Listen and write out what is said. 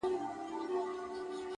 • جهاني زما چي په یادیږي دا جنت وطن وو,